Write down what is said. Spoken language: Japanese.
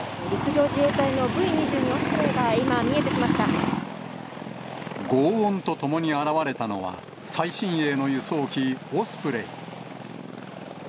オスプレごう音とともに現れたのは、最新鋭の輸送機オスプレイ。